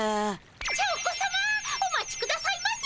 チョー子さまお待ちくださいませ。